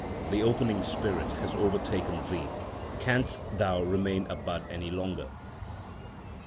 The opening spirit has overtaken thee, Canst thou remain a bud any longer?